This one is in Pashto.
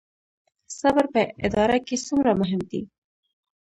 صبر په اداره کې څومره مهم دی؟